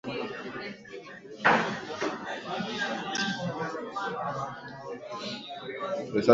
Risasi ya kifo ikampata Karume shingoni akafa huku nyingine zikiendelea kumiminwa